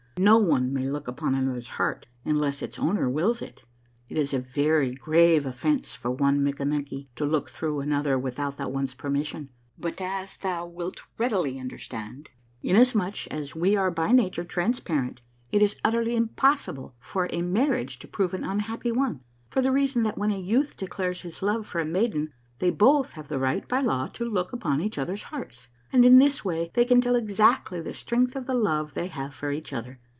No one may look upon another's heart unless its owner wills it. It is a very grave offence for one Mikkamenky to look through another without that one's permission. But as thou wilt readily understand, inasmuch as we are by nature trans parent, it is utterly impossible for a marriage to prove an unhappy one, for the reason that when a youth declares his love for a maiden, they both have the right by law to look upon each other's hearts, and in this way they can tell exactly the strength of the love they have for each other."